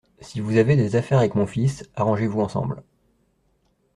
Si vous avez des affaires avec mon fils, arrangez-vous ensemble.